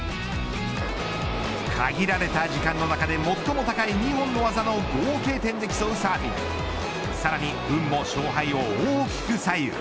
限られた時間の中で、最も高い２本の技の合計点で競うサーフィンさらに運も勝敗を大きく左右。